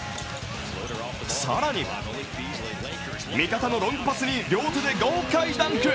更に、味方のロングパスに両手で豪快ダンク。